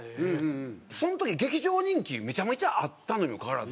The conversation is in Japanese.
その時劇場人気めちゃめちゃあったのにもかかわらず。